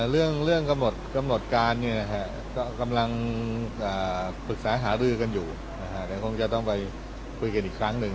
เรื่องกำหนดการก็กำลังปรึกษาหารือกันอยู่เดี๋ยวคงจะต้องไปคุยกันอีกครั้งหนึ่ง